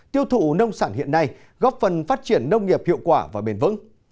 tiêu thụ nông sản hiện nay góp phần phát triển nông nghiệp hiệu quả và bền vững